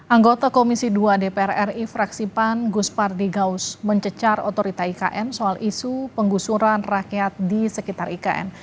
anggota komisi dua dpr ri fraksi pan gus pardi gaus mencecar otorita ikn soal isu penggusuran rakyat di sekitar ikn